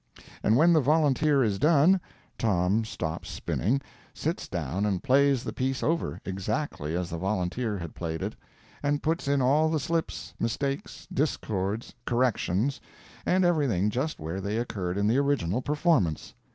And when the volunteer is done, Tom stops spinning, sits down and plays the piece over, exactly as the volunteer had played it, and puts in all the slips, mistakes, discords, corrections, and everything just where they occurred in the original performance!